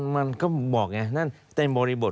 มันก็บอกไงนั่นเต็มบริบท